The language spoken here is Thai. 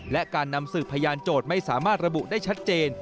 และการนำสืบพยานโจทย์ไม่สามารถระบุได้ชัดเจน